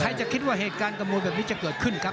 จะคิดว่าเหตุการณ์ขโมยแบบนี้จะเกิดขึ้นครับ